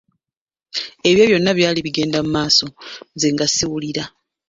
Ebyo byonna byali bigenda mu maaso nze nga siwulira.